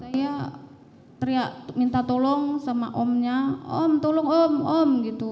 saya teriak minta tolong sama omnya om tolong om om om gitu